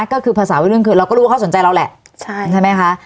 ก็คือภาษาวัยรุ่นคือเราก็รู้ว่าเขาสนใจเราแหละใช่ไหมคะ